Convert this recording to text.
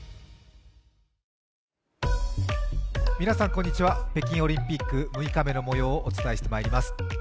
皆さん、こんにちは北京オリンピック６日目のもようをお伝えしてまいります。